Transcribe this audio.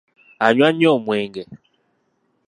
Anywa nnyo omwenge.